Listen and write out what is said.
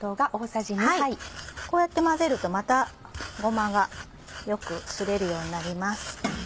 こうやって混ぜるとまたごまがよくすれるようになります。